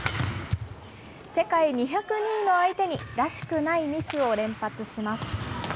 世界２０２位の相手に、らしくないミスを連発します。